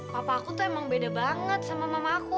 papaku tuh emang beda banget sama mamaku